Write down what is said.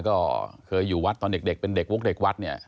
ก็เคยอยู่วัดตอนเด็กเป็นเด็กวกเด็กวัดเนี่ย